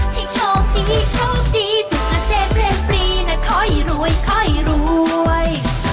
ให้โชคดีโชคดีสุขเซ็นเบนปรีนะคอยรวยคอยรวย